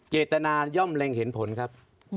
เจตนาย่อมเล็งเห็นผลครับ